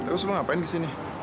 terus lo ngapain disini